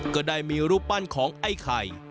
ก็ได้มีรูปปั้นของไอ้ไข่